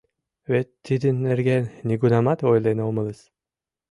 Вет тидын нерген нигунамат ойлен омылыс.